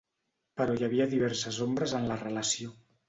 Però hi havia diverses ombres en la relació.